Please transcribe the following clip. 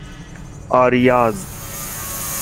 آریاز